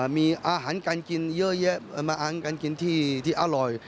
มีอาหารการกินเยอะแยะมาอังการกินที่อร่อย